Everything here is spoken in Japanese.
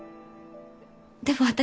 でも私。